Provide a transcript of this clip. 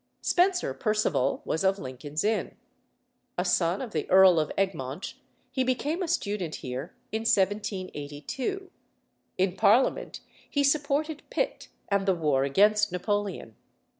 Spencer Perceval was of Lincoln's Inn. A son of the Earl of Egmont, he became a student here in 1782. In Parliament he supported Pitt and the war against Napoleon.